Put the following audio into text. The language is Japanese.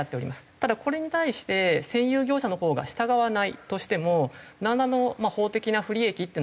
ただこれに対して占用業者のほうが従わないとしてもなんら。